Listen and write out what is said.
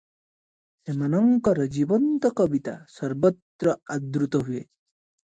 ସେମାନଙ୍କର ଜୀବନ୍ତ କବିତା ସର୍ବତ୍ର ଆଦୃତ ହୁଏ ।